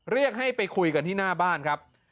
เรียกให้ไปคุยกันที่หน้าบ้านครับ